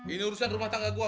ini urusan rumah tangga gue